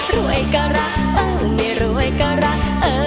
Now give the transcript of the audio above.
รวยก็รักไม่รวยก็รักเธอ